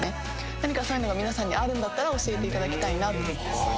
何かそういうのが皆さんにあるんだったら教えていただきたいなと。